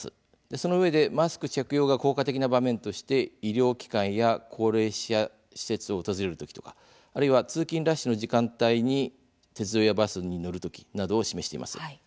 そのうえでもマスク着用が効果的な場面として医療機関や高齢者施設を訪れる時とか通勤ラッシュの時間帯に鉄道やバスに乗る時などを示しています。